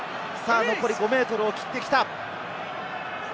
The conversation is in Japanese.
残り５ｍを切ってきた。